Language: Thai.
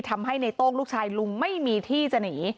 ทำให้ในโต้งลูกชายลุงไม่มีที่จะหนี